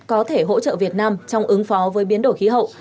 có thể hỗ trợ việt nam trong ứng phó với biến đổi khí hậu